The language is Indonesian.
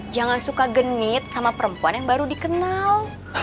jangan suka genit sama perempuan yang baru dikenal